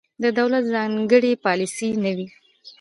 د دولت ځانګړې پالیسي نه وي.